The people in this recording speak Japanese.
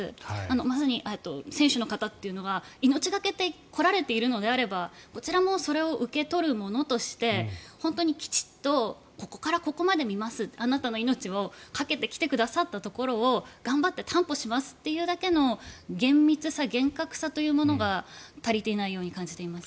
まさに選手の方は命懸けで来られているのであればこちらもそれを受け取る者として本当にきっちりとここからここまで見ますあなたの命をかけて来てくださったところを頑張って担保しますというだけの厳密さ、厳格さというのものが足りていないように感じます。